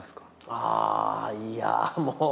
ああいやもう。